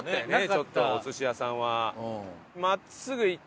ちょっとお寿司屋さんは。